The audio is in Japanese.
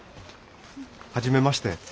初めまして。